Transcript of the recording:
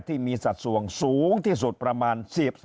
ที่มีสัดส่วนสูงที่สุดประมาณ๑๓